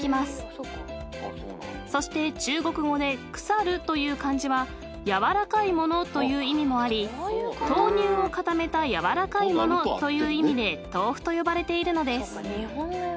［そして中国語で腐るという漢字はやわらかいものという意味もあり豆乳を固めたやわらかいものという意味で豆腐と呼ばれているのです］